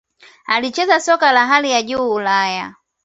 alicheza soka la hali ya Juu Ulaya